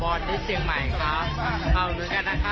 มริสกายคืออะไรคะ